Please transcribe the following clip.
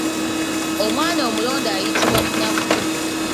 Omwana omulonde ayitibwa munaku.